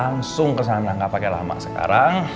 langsung kesana gak pake lama sekarang